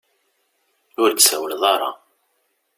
Ur d-tsawleḍ ara.